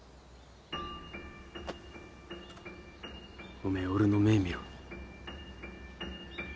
おめえ俺の目ぇ見ろ。